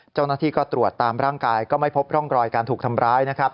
เจ้าหน้าที่ก็ตรวจตามร่างกายก็ไม่พบร่องรอยการถูกทำร้ายนะครับ